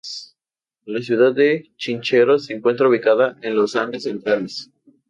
La ciudad de Chincheros se encuentra ubicada en los Andes Centrales.